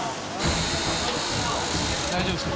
大丈夫ですか？